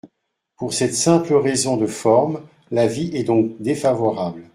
Pour cette simple raison de forme, l’avis est donc défavorable.